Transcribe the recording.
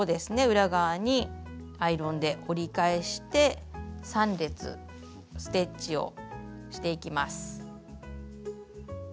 裏側にアイロンで折り返して３列ステッチをしていきます。